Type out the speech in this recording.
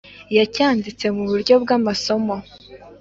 Yacyanditse mu buryo bw’amasomo,